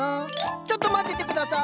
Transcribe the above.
ちょっと待ってて下さい。